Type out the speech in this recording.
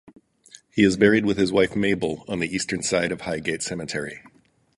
He is buried with his wife Mabel on the eastern side of Highgate Cemetery.